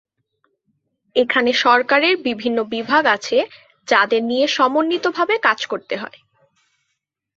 এখানে সরকারের বিভিন্ন বিভাগ আছে, যাদের নিয়ে সমন্বিতভাবে কাজ করতে হয়।